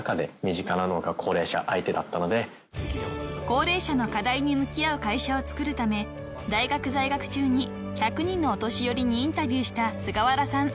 ［高齢者の課題に向き合う会社をつくるため大学在学中に１００人のお年寄りにインタビューした菅原さん］